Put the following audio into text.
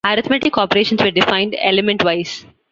Arithmetic operations were defined elementwise.